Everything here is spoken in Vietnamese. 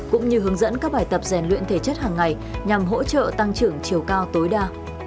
cũng như hướng dẫn các bài tập rèn luyện thể chất hàng ngày nhằm hỗ trợ tăng trưởng chiều cao tối đa